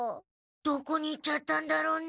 どこに行っちゃったんだろうね？